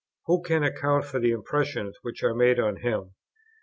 Who can account for the impressions which are made on him?